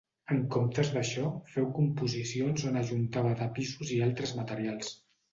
En comptes d'això, feu composicions on ajuntava tapissos i altres materials.